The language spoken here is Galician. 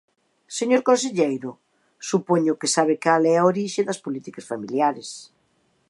Señor conselleiro, supoño que sabe cal é a orixe das políticas familiares.